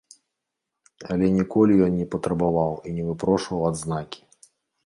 Але ніколі ён не патрабаваў і не выпрошваў адзнакі!